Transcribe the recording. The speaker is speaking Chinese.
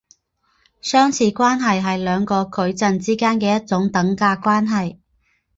相似关系是两个矩阵之间的一种等价关系。